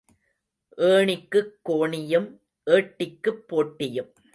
ஏணிக்குக் கோணியும் ஏட்டிக்குப் போட்டியும்.